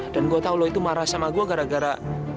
dan gue tau lo itu marah sama gue gara gara